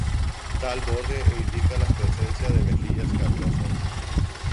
Tal borde indica la presencia de mejillas carnosas.